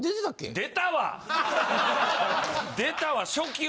出たわ！